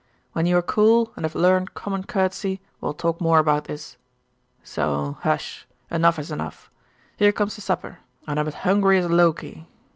When you are cool, and have learnt common courtesy, we'll talk more about this. So! Hush; enough is enough. Here comes the supper, and I am as hungry as Loke.